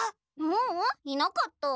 ううんいなかった。